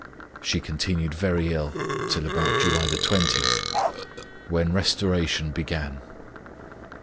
She continued very ill till about July 20th, when restoration began.